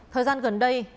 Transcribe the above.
thời gian gần đây